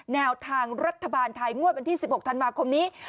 แนวทางรัฐบาลไทยงวดวันที่๑๖ธันวาคมนี้